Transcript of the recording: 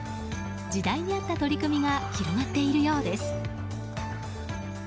時代にあった取り組みが広がっているようです。